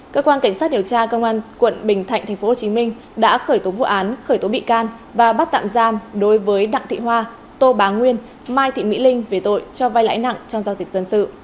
cơ quan cảnh sát điều tra công an quận bình thạnh tp hcm đã khởi tố vụ án khởi tố bị can và bắt tạm giam đối với đặng thị hoa tô bá nguyên mai thị mỹ linh về tội cho vai lãi nặng trong giao dịch dân sự